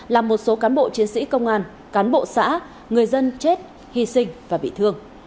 làm một số cán bộ chiến sĩ công an cán bộ xã người dân chết hy sinh và bị thương